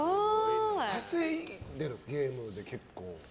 稼いでるんですか、ゲームで結構。